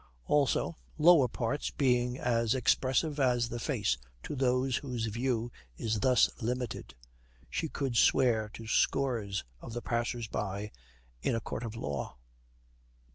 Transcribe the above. Also, lower parts being as expressive as the face to those whose view is thus limited, she could swear to scores of the passers by in a court of law.